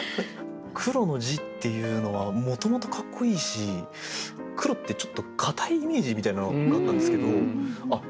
「黒」の字っていうのはもともとかっこいいし「黒」ってちょっとかたいイメージみたいなのがあったんですけどあっ